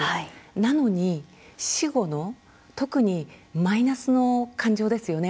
なのに、死後の特にマイナスの感情ですよね